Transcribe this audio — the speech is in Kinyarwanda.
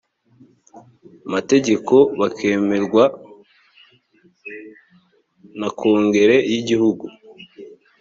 mategeko bakemerwa na kongere y igihugu